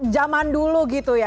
zaman dulu gitu ya